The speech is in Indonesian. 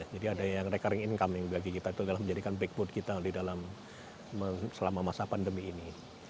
jadi ada yang recurring income yang bagi kita itu dalam menjadikan backboard kita selama masa pandemi ini